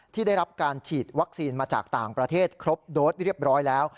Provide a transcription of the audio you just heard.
ที่ได้รับการฉีดวัคซีนมาจากต่างประเทศครบโดสเรียบร้อยแล้ว